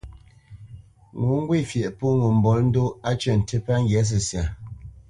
Ŋo ŋgwê fyeʼ pô ŋo mbolə́ndóʼ, á cə̂ ntî pə́ ŋgyǎ səsya.